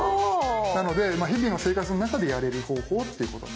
なので日々の生活の中でやれる方法っていうことになる。